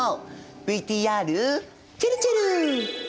ＶＴＲちぇるちぇる！